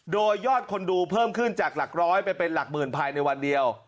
โดยยอดคนดูเพิ่มขึ้นจากหลักร้อยไปเป็นหลักหมื่นภายในวันเดียว